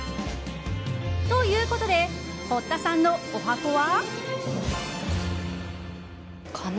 ということで堀田さんのおはこは。